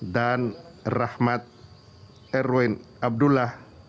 dan rahmat erwin abdullah